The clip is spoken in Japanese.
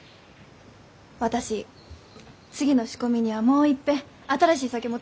私次の仕込みにはもういっぺん新しい酒も試してみたい。